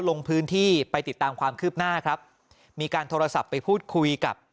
ลงพื้นที่ไปติดตามความคืบหน้าครับมีการโทรศัพท์ไปพูดคุยกับ